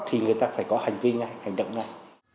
thì người ta phải có hành vi ngay hành động ngay